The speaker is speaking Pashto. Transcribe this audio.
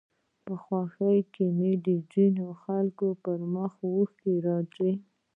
په خوښيو کې د ځينو خلکو پر مخ اوښکې راځي